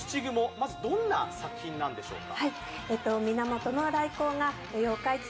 まずどんな作品なんでしょうか？